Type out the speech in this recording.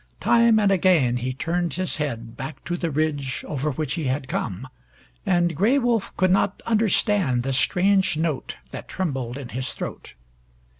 Time and again he turned his head back to the ridge over which he had come, and Gray Wolf could not understand the strange note that trembled in his throat.